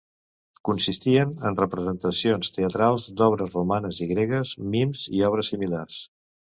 Consistien en representacions teatrals d'obres romanes i gregues, mims i obres similars.